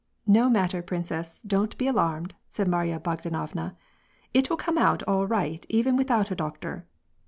" No matter, princess, don't be alarmed," said Marya Bog danovna, " it will come out all right even without a doctor."